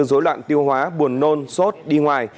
dối loạn tiêu hóa buồn nôn sốt đi ngoài